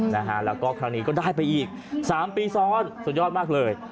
นะฮะแล้วก็ครั้งนี้ก็ได้ไปอีกสามปีซ้อนสุดยอดมากเลย